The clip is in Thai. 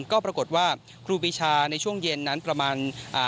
ก็ปรากฏว่าครูปีชาในช่วงเย็นนั้นประมาณอ่า